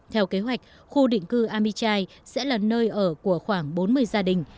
theo kế hoạch khu định cư amichai sẽ là nơi ở của khoảng bốn mươi gia đình